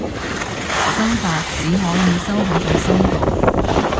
心法，只可以收喺個心度